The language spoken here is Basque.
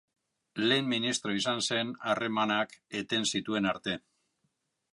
Lehen Ministro izan zen harremanak eten zituen arte.